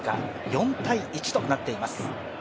４−１となっています。